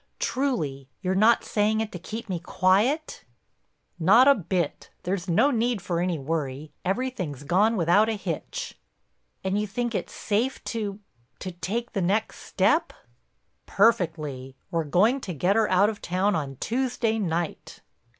"Truly. You're not saying it to keep me quiet?" "Not a bit. There's no need for any worry. Everything's gone without a hitch." "And you think it's safe—to—to—take the next step?" "Perfectly. We're going to get her out of town on Tuesday night."